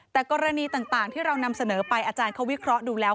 แต่กรณีต่างที่เรานำเสนอไปอาจารย์เขาวิเคราะห์ดูแล้ว